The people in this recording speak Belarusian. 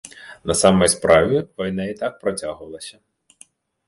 На самай справе, вайна і так працягвалася.